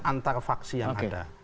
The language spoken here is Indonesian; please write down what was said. antar vaksi yang ada